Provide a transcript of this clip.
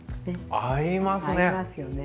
合いますよね。